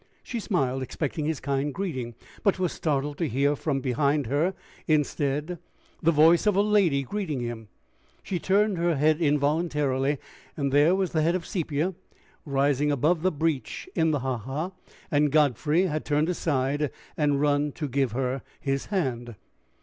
She smiled, expecting his kind greeting, but was startled to hear from behind her instead the voice of a lady greeting him. She turned her head involuntarily: there was the head of Sepia rising above the breach in the ha ha, and Godfrey had turned aside and run to give her his hand.